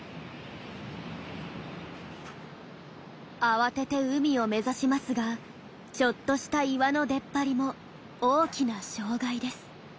慌てて海を目指しますがちょっとした岩の出っ張りも大きな障害です。